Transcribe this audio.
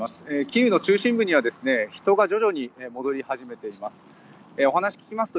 キーウの中心部には人が徐々に戻り始めています。